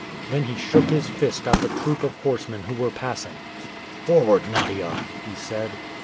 Then he shook his fist at the troop of horsemen who were passing. "Forward, Nadia!" he said.